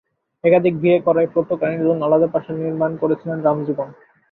একাধিক বিয়ে করায় প্রত্যেক রানীর জন্য আলাদা প্রাসাদ নির্মাণ করেছিলেন রামজীবন।